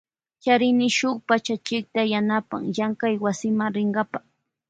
Charini shuk pachachikta yanapan llankay wasima rinkapa.